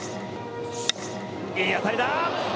いい当たりだ。